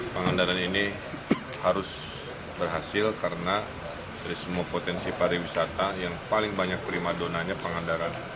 pangandaran ini harus berhasil karena dari semua potensi pariwisata yang paling banyak prima donanya pangandaran